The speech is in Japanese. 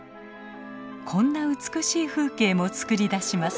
こんな美しい風景も作り出します。